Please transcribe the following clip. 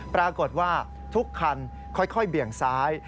ปรากฏว่าทุกคันค่อยเบี่ยงซ้าย